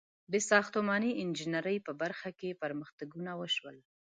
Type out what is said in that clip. • د ساختماني انجینرۍ په برخه کې پرمختګونه وشول.